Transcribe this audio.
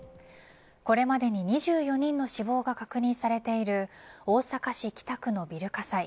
これまでに２４人の死亡が確認されている大阪市北区のビル火災。